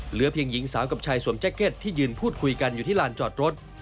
เหลือเพียงหญิงสาวกับชายสวมแจ็คเก็ตที่ยืนพูดคุยกันอยู่ที่ลานจอดรถ